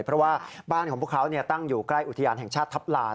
เพราะว่าบ้านของพวกเขาตั้งอยู่ใกล้อุทยานแห่งชาติทัพลาน